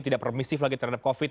tidak permisif lagi terhadap covid